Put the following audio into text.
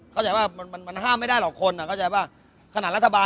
เข้าใจไหมมันห้ามไม่ได้หรอกคนอ่ะ